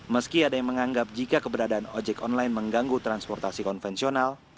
meski ada yang menganggap jika keberadaan ojek online mengganggu transportasi konvensional